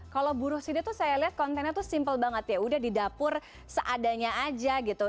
kalau buruh sida tuh saya lihat kontennya tuh simpel banget ya udah di dapur seadanya aja gitu